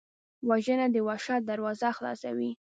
وژنه د وحشت دروازه خلاصوي